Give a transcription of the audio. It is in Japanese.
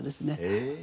へえ。